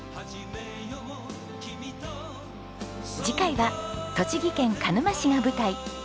次回は栃木県鹿沼市が舞台。